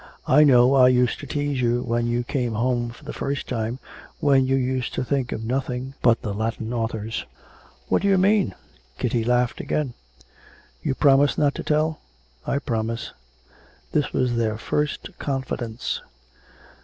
I know I used to tease you when you came home for the first time, when you used to think of nothing but the Latin authors.' 'What do you mean?' Kitty laughed again. 'You promise not to tell?' 'I promise.' This was their first confidence.